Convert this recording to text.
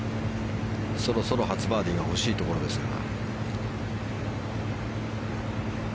そろそろ初バーディーが欲しいところですが。